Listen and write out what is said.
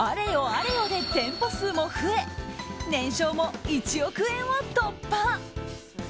あれよで店舗数も増え年商も１億円を突破。